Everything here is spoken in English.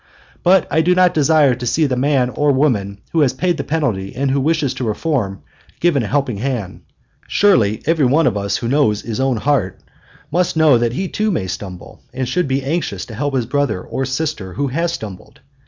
But I do desire to see the man or woman who has paid the penalty and who wishes to reform given a helping hand surely every one of us who knows his own heart must know that he too may stumble, and should be anxious to help his brother or sister who has stumbled.